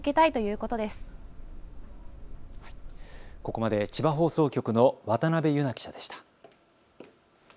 ここまで千葉放送局の渡辺佑捺記者でした。